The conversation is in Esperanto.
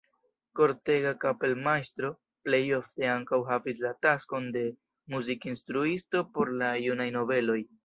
Kortega kapelmajstro plejofte ankaŭ havis la taskon de muzikinstruisto por la junaj nobeloj.